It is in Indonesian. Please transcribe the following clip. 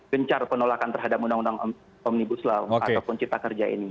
gencar penolakan terhadap undang undang omnibus law ataupun cipta kerja ini